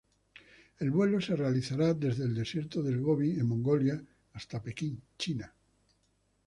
El vuelo se realizará desde el desierto de Gobi, en Mongolia, hasta Pekín, China.